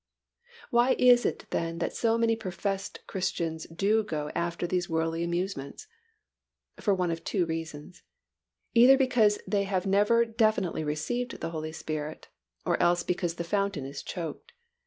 Why is it then that so many professed Christians do go after these worldly amusements? For one of two reasons; either because they have never definitely received the Holy Spirit, or else because the fountain is choked.